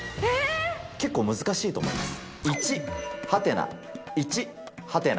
結構難しいと思います。